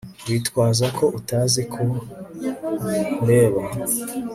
witwaza ko utazi ko nkureba